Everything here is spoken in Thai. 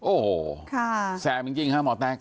โอ้โหแสบจริงค่ะหมอแต๊ก